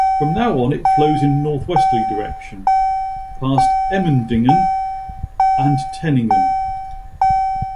From now on it flows in a northwesterly direction, past Emmendingen and Teningen.